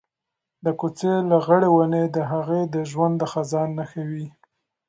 د کوڅې لغړې ونې د هغې د ژوند د خزان نښې وې.